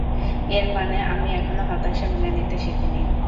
এর মানে আমি এখনো হতাশা মেনে নিতে শিখিনি।